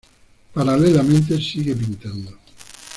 Paralelamente sigue pintando.